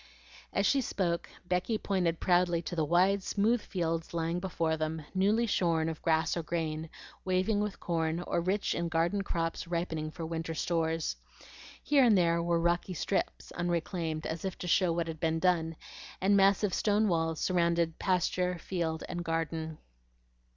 As she spoke, Becky pointed proudly to the wide, smooth fields lying before them, newly shorn of grass or grain, waving with corn, or rich in garden crops ripening for winter stores. Here and there were rocky strips unreclaimed, as if to show what had been done; and massive stone walls surrounded pasture, field, and garden.